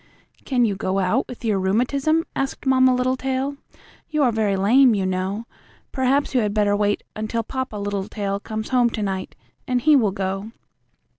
"Can you go out with your rheumatism?" asked Mamma Littletail. "You are very lame, you know. Perhaps you had better wait until Papa Littletail comes home to night, and he will go."